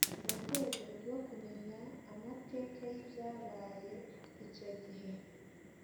Mu rwego rwo kumenya amateka y’ibyabaye icyo gihe